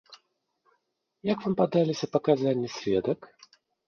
Як вам падаліся паказанні сведак?